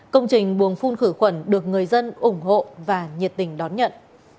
công trình buồng phun khử khuẩn được người dân ủng hộ và nhiệt tình đón nhận